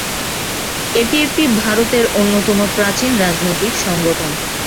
এটি একটি ভারতের অন্যতম প্রাচীন রাজনৈতিক সংগঠন।